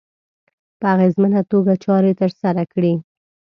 په اغېزمنه توګه چارې ترسره کړي.